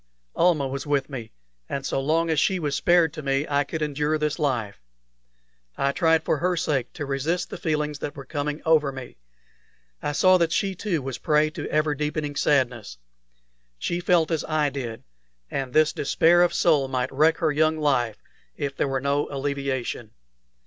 Almah was with me, and so long as she was spared to me I could endure this life. I tried for her sake to resist the feelings that were coming over me. I saw that she too was a prey to ever deepening sadness. She felt as I did, and this despair of soul might wreck her young life if there were no alleviation.